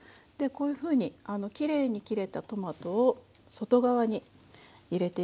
こういうふうにきれいに切れたトマトを外側に入れていきますね。